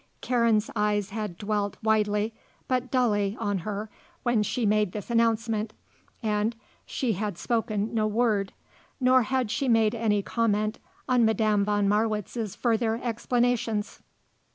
Karen's eyes had dwelt widely, but dully, on her when she made this announcement and she had spoken no word; nor had she made any comment on Madame von Marwitz's further explanations.